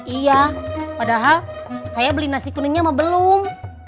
iya padahal saya beli nasi kuningnya mah belum